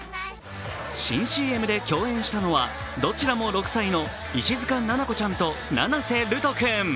新ＣＭで共演したのはどちらも６歳の石塚七菜子ちゃんと七瀬瑠斗君。